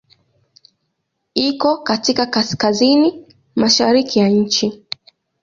Iko katika kaskazini-mashariki ya nchi.